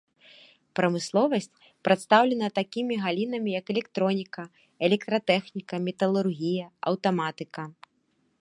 Прамысловасць прадстаўлена такімі галінамі як электроніка, электратэхніка, металургія, аўтаматыка.